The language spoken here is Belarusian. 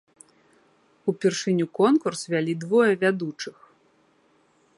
Упершыню конкурс вялі двое вядучых.